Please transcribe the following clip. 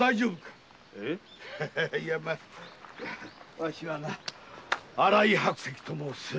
⁉わしはな新井白石と申す。